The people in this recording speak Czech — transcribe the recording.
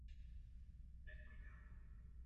Mackenzie má staršího bratra.